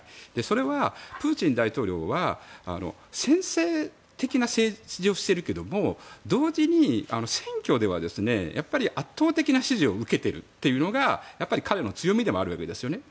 それはプーチン大統領は専制的な政治をしているけども同時に選挙では圧倒的な支持を受けているというのが彼の強みでもあるわけですね。